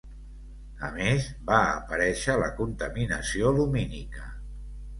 A més, va aparéixer la contaminació lumínica.